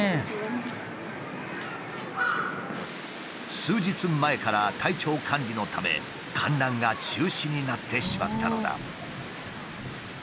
数日前から体調管理のため観覧が中止になってしまったのだ。